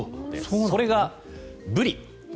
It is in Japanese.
それがブリ。